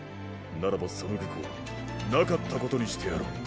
ならばその愚行なかったことにしてやろう。